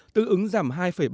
tương ứng giảm hai ba mươi tám